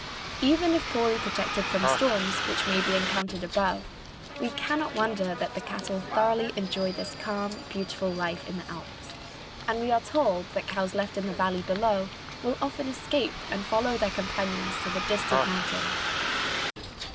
Even if poorly protected from storms which may be encountered above, we cannot wonder that the cattle thoroughly enjoy this calm, beautiful life in the alps, and we are told that cows left in the valley below will often escape and follow their companions to the distant mountains.